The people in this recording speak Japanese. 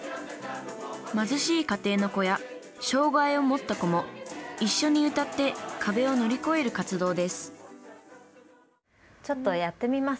貧しい家庭の子や障害を持った子も一緒に歌って壁を乗り越える活動ですちょっとやってみます？